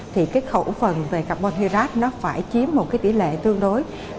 thì khẩu phần về carbon hydrate nó phải chiếm một tỷ lệ tương đối